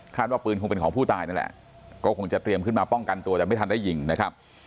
ว่าปืนคงเป็นของผู้ตายนั่นแหละก็คงจะเตรียมขึ้นมาป้องกันตัวแต่ไม่ทันได้ยิงนะครับ